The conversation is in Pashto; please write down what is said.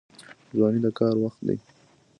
ځواني د کار وخت دی